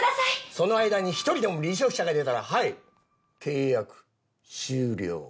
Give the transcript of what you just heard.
その間に１人でも離職者が出たらはい契約終了